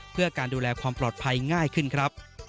เพื่อการดูแลความปลอดภัยง่ายขึ้นครับ